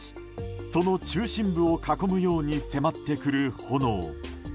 その中心部を囲むように迫ってくる炎。